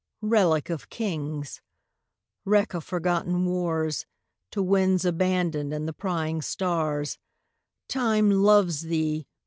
Relic of Kings! Wreck of forgotten wars, To winds abandoned and the prying stars, 10 Time 'loves' Thee!